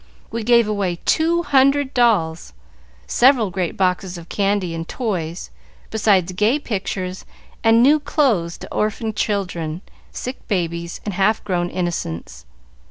We gave away two hundred dolls, several great boxes of candy and toys, besides gay pictures, and new clothes to orphan children, sick babies, and half grown innocents.